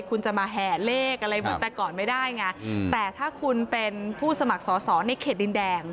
คุณจะมาแห่เลขอะไรเหมือนแต่ก่อนไม่ได้ไงแต่ถ้าคุณเป็นผู้สมัครสอสอในเขตดินแดง